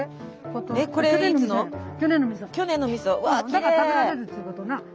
だから食べられるっちゅうことな。